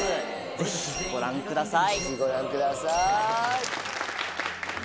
ぜひご覧ください。